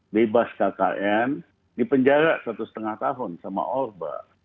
bebas kkn dipenjara satu lima tahun sama orba